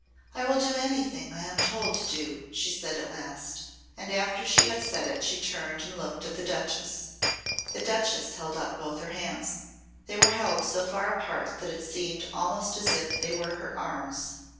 "I will do anything I am told to do," she said at last. After she had said it she turned and looked at the Duchess. The Duchess held out both her hands. They were held so far apart that it seemed almost as if they were her arms.